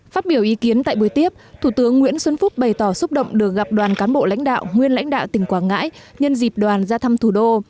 phát biểu ý kiến tại buổi tiếp thủ tướng nguyễn xuân phúc bày tỏ xúc động được gặp đoàn cán bộ lãnh đạo nguyên lãnh đạo tỉnh quảng ngãi nhân dịp đoàn ra thăm thủ đô